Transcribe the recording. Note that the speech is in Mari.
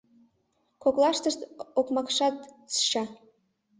Коклаштышт окмакшат сща.